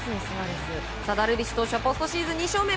ダルビッシュ投手はポストシーズン２勝目。